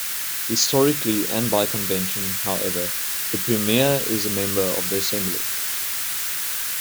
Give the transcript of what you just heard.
Historically and by convention, however, the premier is a member of the Assembly.